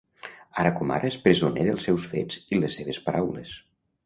Ara com ara és presoner dels seus fets i les seves paraules.